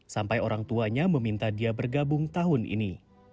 sampai orang tuanya meminta dia bergabung tahun ini